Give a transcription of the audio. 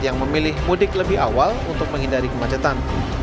yang memilih mudik lebih awal untuk menghindari kemacetan